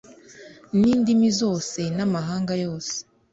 n’indimi zose n’amahanga yose.